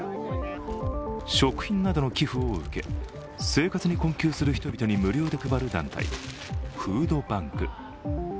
食品などの寄付を受け、生活に困窮する人々に無料で配る団体、フードバンク。